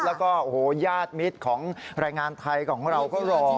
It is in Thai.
แล้วก็ยาดมิตรของรายงานไทยของเราก็รอ